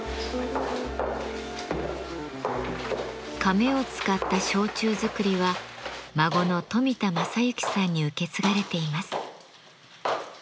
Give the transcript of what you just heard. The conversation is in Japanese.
カメを使った焼酎づくりは孫の富田真行さんに受け継がれています。